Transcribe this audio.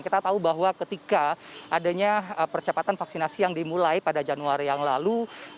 kita tahu bahwa ketika adanya percepatan vaksinasi yang dimulai pada januari yang lalu